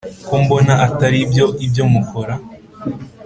Ko mbona ataribyo ibyo mukora